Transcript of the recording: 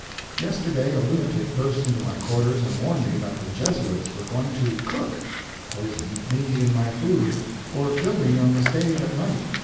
Yesterday a lunatic burst into my quarters and warned me that the Jesuits were going to "cook" (poison) me in my food, or kill me on the stage at night.